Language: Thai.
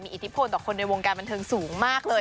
อิทธิพลต่อคนในวงการบันเทิงสูงมากเลย